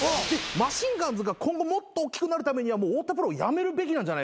マシンガンズが今後もっとおっきくなるためにはもう太田プロを辞めるべきなんじゃないかなと。